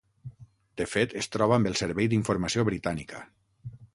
De fet, es troba amb el servei d'informació britànica.